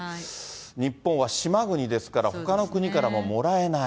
日本は島国ですから、ほかの国からももらえない。